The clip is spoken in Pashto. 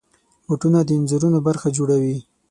بوټونه د انځورونو برخه جوړوي.